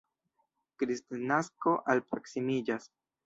Kristnasko alproksimiĝas.